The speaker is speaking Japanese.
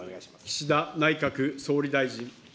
岸田内閣総理大臣。